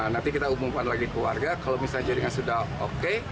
nanti kita umumkan lagi ke warga kalau misalnya jaringan sudah oke